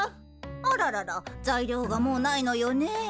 あららら材料がもうないのよねえ。